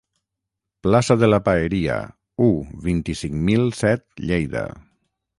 Plaça de la Paeria, u, vint-i-cinc mil set Lleida.